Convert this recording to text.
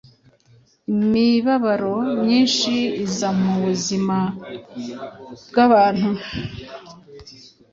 Imibabaro myinshi iza mu buzima bw’abantu